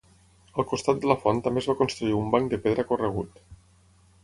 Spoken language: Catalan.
Al costat de la font també es va construir un banc de pedra corregut.